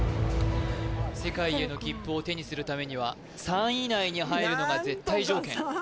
世界への切符を手にするためには３位以内に入るのが絶対条件